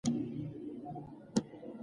د بایسکل سفرونو لومړنی نړیواله بېلګه دی.